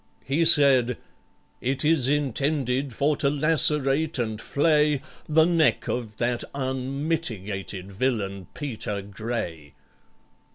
He said, "It is intended for to lacerate and flay The neck of that unmitigated villain PETER GRAY!"